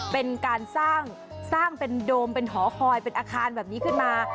เป็นการสร้างเป็นโดมเป็นหอคอยเป็นอาคารแบบนี้ขึ้นมา